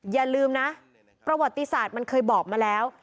อย่าลืมนะประวัติศาสตร์มันเคยบอกมาแล้ว